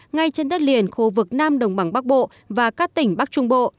ngay trên đất liền khu vực nam đồng bằng bắc bộ và các tỉnh bắc trung bộ